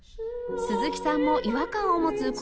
鈴木さんも違和感を持つ